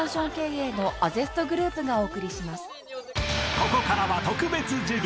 ［ここからは特別授業。